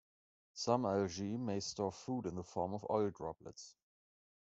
Some algae may store food in the form of oil droplets.